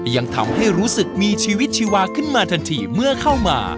ยังทำให้รู้สึกมีชีวิตชีวาขึ้นมาทันทีเมื่อเข้ามา